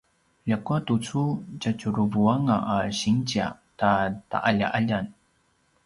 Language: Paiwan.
ljakua tucu tjatjuruvanga a sinzia ta ta’alja’aljan